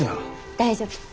大丈夫。